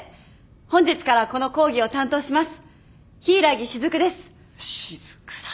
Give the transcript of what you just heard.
本日からこの講義を担当します柊木雫です。